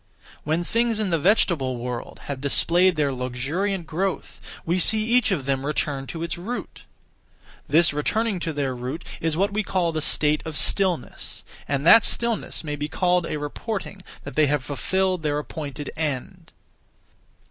When things (in the vegetable world) have displayed their luxuriant growth, we see each of them return to its root. This returning to their root is what we call the state of stillness; and that stillness may be called a reporting that they have fulfilled their appointed end.